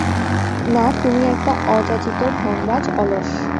না, তুমি একটা অযাচিত, ঢংবাজ, অলস।